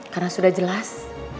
karena sudah jelas